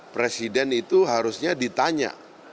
presiden itu harusnya ditanya